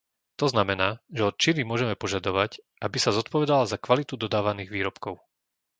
To znamená, že od Číny môžeme požadovať, aby sa zodpovedala za kvalitu dodávaných výrobkov.